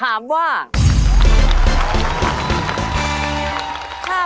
เออไม่เป็นไร